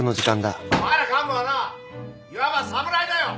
お前ら幹部はないわば侍だよ！